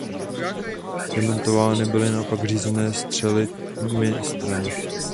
Demontovány byly naopak řízené střely Mistral.